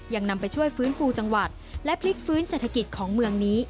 ยังนำไปช่วยฟื้นฟูจังหวัดและพลิกฟื้นเศรษฐกิจของเมืองนี้